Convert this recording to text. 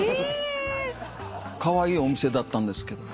カワイイお店だったんですけど。